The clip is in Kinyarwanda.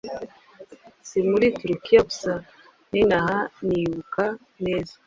Si muri Turkia gusa ninaba nibuka neza,